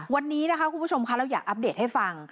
วันนี้นะคะคุณผู้ชมค่ะเราอยากอัปเดตให้ฟัง